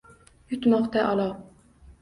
Yutmoqda olov.